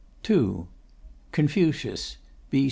Confucius (B.